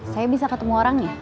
saya bisa ketemu orangnya